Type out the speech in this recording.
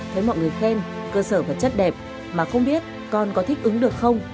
thấy mọi người khen cơ sở vật chất đẹp mà không biết con có thích ứng được không